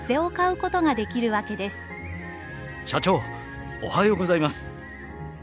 社長おはようございます！